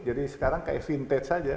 jadi sekarang kayak vintage saja